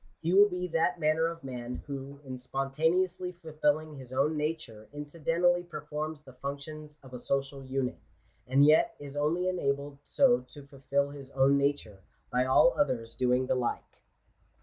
He will be that manner of jtnan, who, in spontaneously fulfilling his own nature, inci dentally performs the functions of a social unit; and yet is only i enabled so to fulfil his own nature, by all others doing the like.